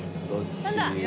何だ？